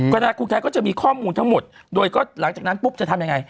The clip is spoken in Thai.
คณะครูไทยก็จะมีข้อมูลทั้งหมดโดยก็หลังจากนั้นปุ๊บจะทำยังไง